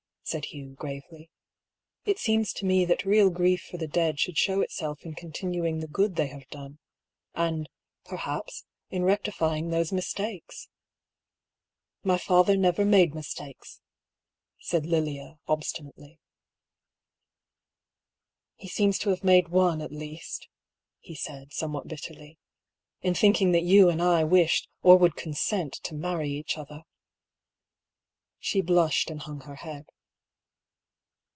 said Hugh, gravely. "It seems to me that real grief for the dead should show itself in continuing the good they have done — and, perhaps, in rectifying those mistakes." "My father never made mistakes," said Lilia, ob stinately. " He seems to have made one, at least," he said, somewhat bitterly —" in thinking that you and I wished —or would consent — to marry each other !" She blushed and hung her head.